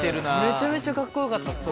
めちゃめちゃカッコよかったです